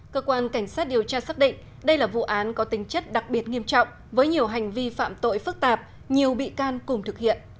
cơ quan cảnh sát điều tra xác định đây là vụ án có tính chất đặc biệt nghiêm trọng với nhiều hành vi phạm tội phức tạp nhiều bị can cùng thực hiện